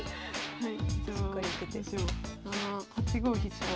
はい。